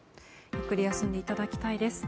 ゆっくり休んでいただきたいです。